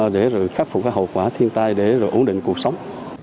để rồi khắc phục cái hậu quả thiên tai để rồi ổn định cuộc sống